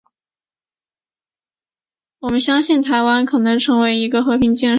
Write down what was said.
我们相信台湾可能成为一个和平建设的示范区。